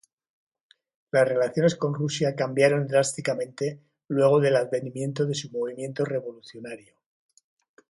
Las relaciones con Rusia cambiaron drásticamente luego del advenimiento de su movimiento revolucionario.